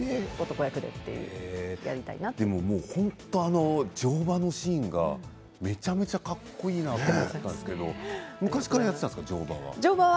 でも、本当に乗馬のシーンがめちゃめちゃかっこいいなと思ったんですけど昔からやっていたんですか乗馬は。